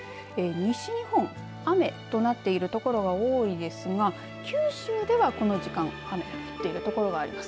西日本雨となっている所が多いですが九州ではこの時間雨、降っている所があります。